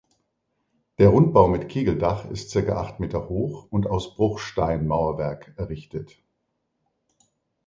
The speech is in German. Der Rundbau mit Kegeldach ist circa acht Meter hoch und aus Bruchsteinmauerwerk errichtet.